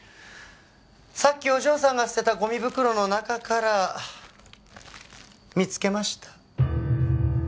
さっきお嬢様が捨てたゴミ袋の中から見つけました。